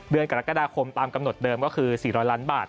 เดือนกรกฎาคมตามกำหนดเดิมก็คือ๔๐๐ล้านบาท